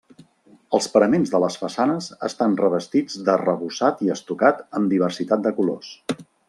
Els paraments de les façanes estan revestits d'arrebossat i estucat amb diversitat de colors.